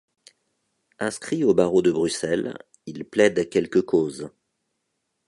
Inscrit au barreau de Bruxelles, il plaide quelques causes.